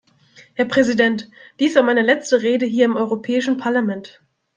Herr Präsident, dies war meine letzte Rede hier im Europäischen Parlament.